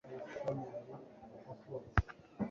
nk'uko isha cyangwa inyoni zigobotora iyo zatezwe